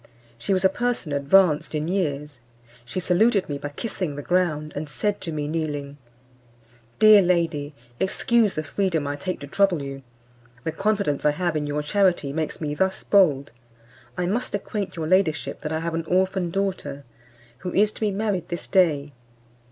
She was a person advanced in years; she saluted me by kissing the ground, and said to me kneeling, "Dear lady, excuse the freedom I take to trouble you, the confidence I have in your charity makes me thus bold. I must acquaint your ladyship that I have an orphan daughter, who is to be married this day.